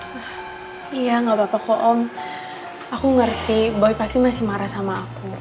dani belum bisa datang maaf ya iya nggak papa kok om aku ngerti boy pasti masih marah sama aku